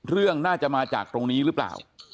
เรื่องน่าจะมาจากตรงนี้หรือเปล่า